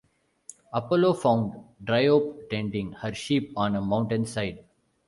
Apollo found Dryope tending her sheep on a mountainside.